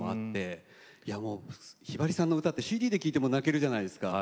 もうひばりさんの歌ってＣＤで聴いても泣けるじゃないですか。